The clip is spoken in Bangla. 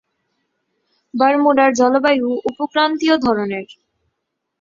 বারমুডার জলবায়ু উপক্রান্তীয় ধরনের।